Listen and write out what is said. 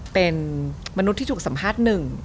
เป็นมนุษย์ที่ถูกสัมภาษณ์หนึ่ง